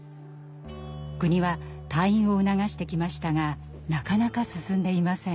国は退院を促してきましたがなかなか進んでいません。